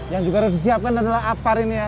yang juga harus disiapkan adalah apar ini ya